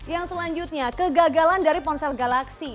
yang selanjutnya kegagalan dari ponsel galaksi